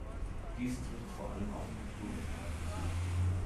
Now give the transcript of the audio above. Dies trifft vor allem auf die Naturwissenschaften zu.